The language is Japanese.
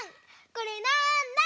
これなんだ？